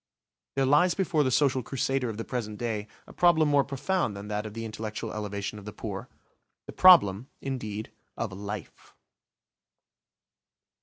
There lies before the social crusader of the present day a problem more profound than that of the intellectual elevation of the poor; the problem, indeed, of life.